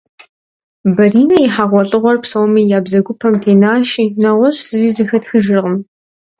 Баринэ и хьэгъуэлӏыгъуэр псоми я бзэгупэм тенащи, нэгъуэщӏ зыри зэхэтхыжыркъым.